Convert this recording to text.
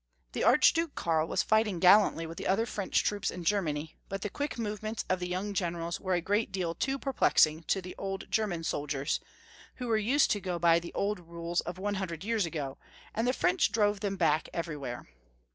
The Arch duke Karl was fighting gallantly with the other French troops in Germany, but the quick move ments of the young generals were a great deal too perplexing to the old German soldiers, who were used to go by the old rules of 100 years ago, and the French drove them back everywhere.